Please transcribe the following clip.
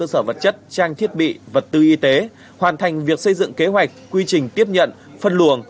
cơ sở vật chất trang thiết bị vật tư y tế hoàn thành việc xây dựng kế hoạch quy trình tiếp nhận phân luồng